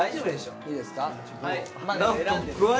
いいですか？